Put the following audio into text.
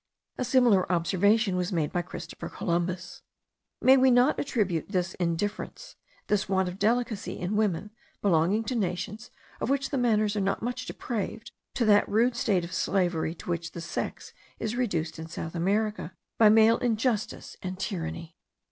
A similar observation was made by Christopher Columbus. May we not attribute this in difference, this want of delicacy in women belonging to nations of which the manners are not much depraved, to that rude state of slavery to which the sex is reduced in South America by male injustice and tyranny?